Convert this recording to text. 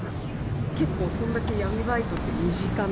結構それだけ闇バイトって、身近な？